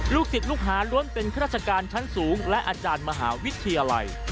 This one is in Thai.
ศิษย์ลูกหาล้วนเป็นข้าราชการชั้นสูงและอาจารย์มหาวิทยาลัย